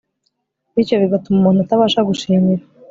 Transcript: Bityo bigatuma umuntu atabasha gushimira